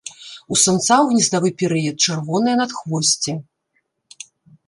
У самца ў гнездавы перыяд чырвонае надхвосце.